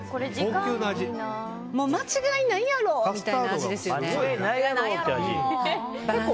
間違いないやろみたいな味ですよね。